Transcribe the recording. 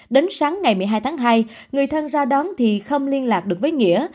đến sáng ngày một mươi hai tháng hai người thân ra đón thì không liên lạc được với nghĩa